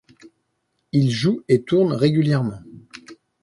Il joue et tourne régulièrement.